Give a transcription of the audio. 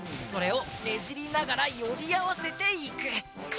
それをねじりながらよりあわせていく。